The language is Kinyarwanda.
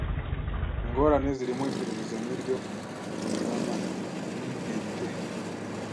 ingorane zirimo iperereza nkiryo rinyuranya nintete